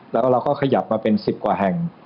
แล้วเราก็ขยับมาเป็น๑๐กว่าแห่ง